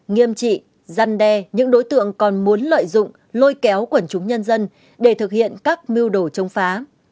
nghiêm trị giăn đe những đối tượng còn muốn lợi dụng lôi kéo quần chúng nhân dân để thực hiện các mưu đồ chống phá